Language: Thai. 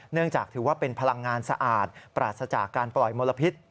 เนื่องจากถือว่าเป็นพลังงานสะอาดปราศจากการปล่อยมลพิษ